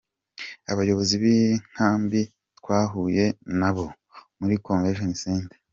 Abayobozi b’inkambi twahuye nabo muri Convention Center.